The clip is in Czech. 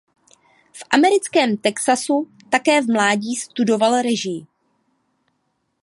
V americkém Texasu také v mládí studoval režii.